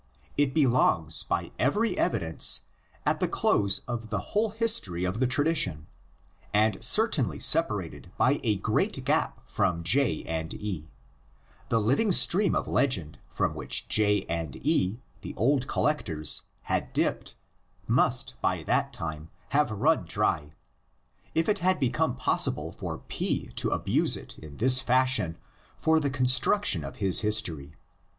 It belongs by every evidence at the close of the whole history of the tradition, and cer tainly separated by a great gap from J and E: the living stream of legend from which J and E, the old collectors, had dipped, must by that time have run dry, if it had become possible for P to abuse it in this fashion for the construction of his history.